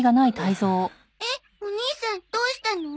えっお兄さんどうしたの？